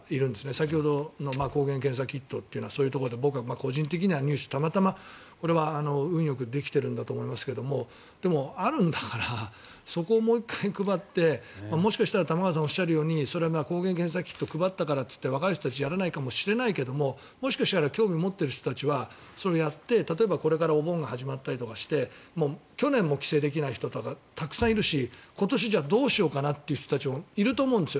先ほどの抗原検査キットというのはそういうところで僕は個人的にはたまたま運よくできているんだとは思いますがでも、あるんだからそこをもう１回配ってもしかしたら玉川さんがおっしゃるようにそれが抗原検査キットを配ったからと言って若い人たちはやらないかもしれないけどもしかしたら興味を持っている人たちはやって例えばこれからお盆が始まったりして去年も帰省できない人とかたくさんいるし今年、どうしようかなって思っている人とかいると思うんですよ。